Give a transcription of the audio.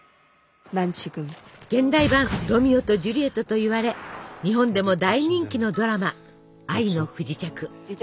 現代版ロミオとジュリエットといわれ日本でも大人気のドラマ「愛の不時着」。